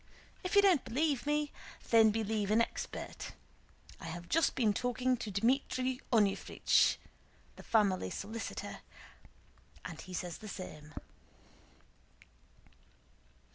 If you don't believe me, then believe an expert. I have just been talking to Dmítri Onúfrich" (the family solicitor) "and he says the same."